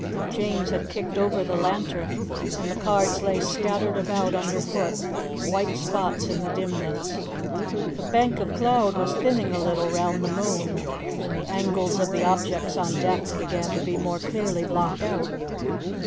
James had kicked over the lantern, and the cards lay scattered about under foot, white spots in the dimness. The bank of cloud was thinning a little round the moon, and the angles of the objects on deck began to be more clearly blocked out.